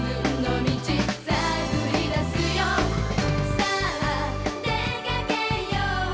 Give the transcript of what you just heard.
「さあ出かけよう」